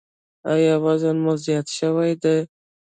ایا وزن مو زیات شوی دی؟